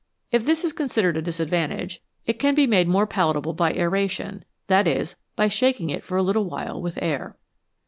If this is considered a disadvantage, it can be made more palatable by aeration, that is, by shaking it for a little with air.